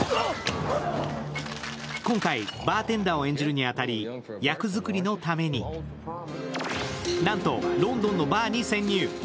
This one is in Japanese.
今回、バーテンダーを演じるに当たり役作りのためになんと、ロンドンのバーに潜入。